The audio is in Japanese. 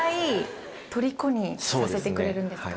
させてくれるんですか。